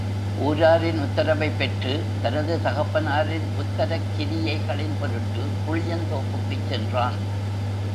ஊராரின் உத்தரவைப் பெற்று, தனது தகப்பனாரின் உத்தரக்கிரியைகளின் பொருட்டு புளியந்தோப்புக்குச் சென்றான்.